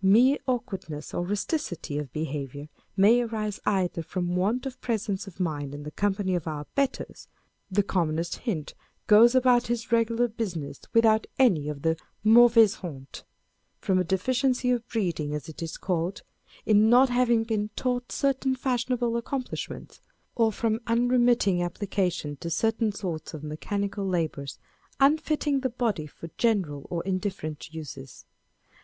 Mere awkward ness or rusticity of behaviour may arise either from want of presence of mind in the company of our betters (the commonest hind goes about his regular business without any of the mauvaise honte), from a deficiency of breeding, as it is called, in not having been taught certain fashion able accomplishments â€" or from unremitting application to certain sorts of mechanical labour, unfitting the body for general or indifferent uses.